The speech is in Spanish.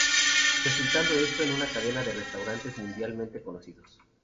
Resultando esto en una cadena de restaurantes mundialmente conocidos.